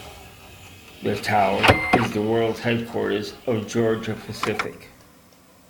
The tower is the world headquarters of Georgia-Pacific.